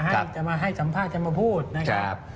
จะมาให้สัมภาษณ์จะมาพูดนะครับ